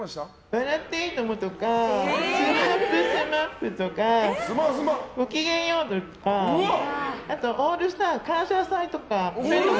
「笑っていいとも！」とか「ＳＭＡＰ×ＳＭＡＰ」とか「ごきげんよう」とかあと「オールスター感謝祭」とか。